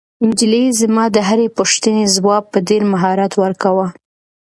نجلۍ زما د هرې پوښتنې ځواب په ډېر مهارت ورکاوه.